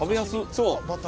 そう。